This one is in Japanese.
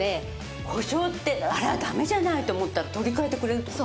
保証ってあらダメじゃないって思ったら取り替えてくれるって事？